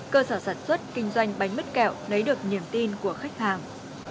cơ sở sản xuất kinh doanh bánh mứt kẹo lấy được niềm tin của khách hàng